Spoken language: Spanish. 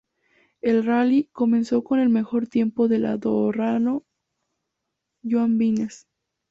El rally comenzó con el mejor tiempo del andorrano Joan Vinyes.